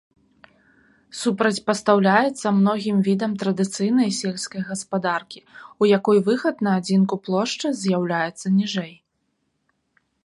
Супрацьпастаўляецца многім відам традыцыйнай сельскай гаспадаркі, у якой выхад на адзінку плошчы з'яўляецца ніжэй.